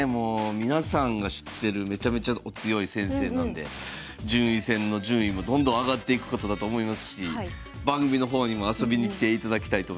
皆さんが知ってるめちゃめちゃお強い先生なんで順位戦の順位もどんどん上がっていくことだと思いますし番組の方にも遊びに来ていただきたいと思います。